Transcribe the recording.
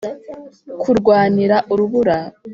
kurwanira urubura.